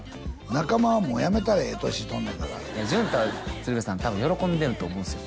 中間はもうやめたれええ年しとんねんからいや淳太は鶴瓶さん多分喜んでると思うんすよ